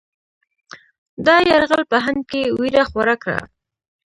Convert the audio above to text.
دا یرغل په هند کې وېره خوره کړه.